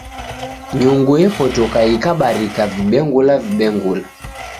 Nyungu epotoka ikabarika vibengula vibengula.